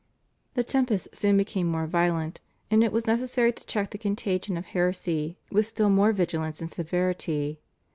The tempest soon became more violent, and it was necessary to check the contagion of heresy with still more vigilance and severity.